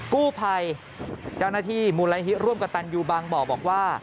กู้ภัยเจ้าหน้าที่มูลนิธิร่วมกับตันยูบางบ่อบอกว่า